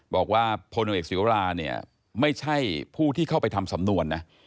บอกว่าพลโนเอกศิวราเนี่ยไม่ใช่ผู้ที่เข้าไปทำสำนวนนะ